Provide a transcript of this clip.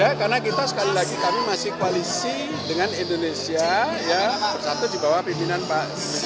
ya karena kita sekali lagi kami masih koalisi dengan indonesia bersatu di bawah pimpinan pak